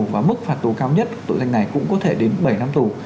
và mức phạt tù cao nhất tội danh này cũng có thể đến bảy năm tù